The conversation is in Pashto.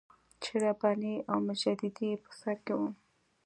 چې رباني او مجددي یې په سر کې وو.